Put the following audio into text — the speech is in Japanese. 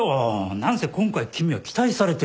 何せ今回君は期待されてる。